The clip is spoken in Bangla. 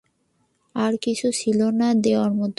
আর কিছু ছিল না দেয়ার মত।